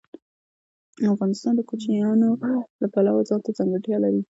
افغانستان د کوچیانو له پلوه ځانته ځانګړتیا لري.